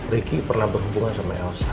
ricky pernah berhubungan sama elsa